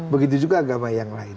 begitu juga agama yang lain